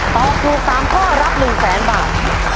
ตอบถูก๓ข้อรับ๑๐๐๐บาท